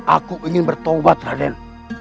aku ingin bertobat radit